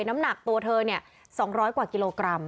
น้ำหนักตัวเธอ๒๐๐กว่ากิโลกรัม